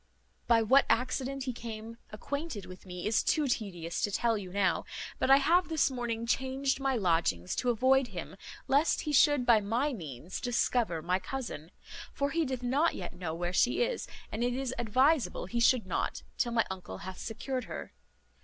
By what accident he came acquainted with me is too tedious to tell you now; but I have this morning changed my lodgings to avoid him, lest he should by my means discover my cousin; for he doth not yet know where she is, and it is adviseable he should not, till my uncle hath secured her.